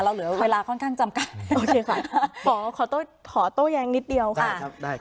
เราเหลือเวลาค่อนข้างจำกันโอเคค่ะขอขอโต้ขอโต้แยงนิดเดียวค่ะได้ครับ